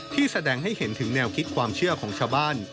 แสดงให้เห็นถึงแนวคิดความเชื่อของชาวบ้าน